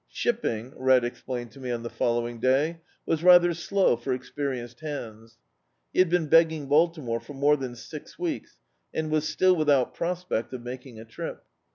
Slipping, Red explained to me on the following day, was rather slow for experienced hands. He had been begging Baltimore for more than six weeks, and was still without prospect of making a trip.